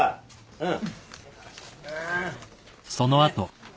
うん。